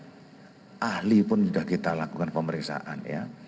jadi ahli pun sudah kita lakukan pemeriksaan